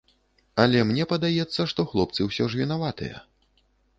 Але мне падаецца, што хлопцы ўсё ж вінаватыя.